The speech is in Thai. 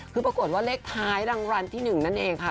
คือปรากฏว่าเลขท้ายรางวัลที่๑นั่นเองค่ะ